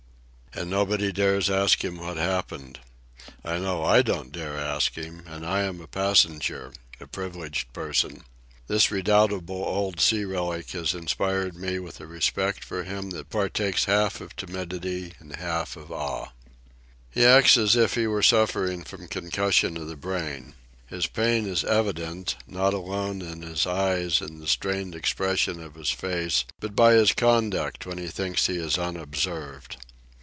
And nobody dares ask him what has happened. I know I don't dare ask him, and I am a passenger, a privileged person. This redoubtable old sea relic has inspired me with a respect for him that partakes half of timidity and half of awe. He acts as if he were suffering from concussion of the brain. His pain is evident, not alone in his eyes and the strained expression of his face, but by his conduct when he thinks he is unobserved.